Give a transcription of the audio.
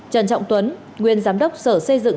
trần trọng tuấn nguyên giám đốc sở xây dựng